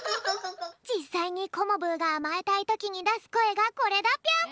じっさいにコモブーがあまえたいときにだすこえがこれだぴょん。